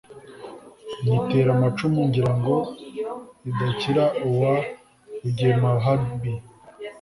Nyitera amacumu ngira ngo idakira uwa Rugemahabi,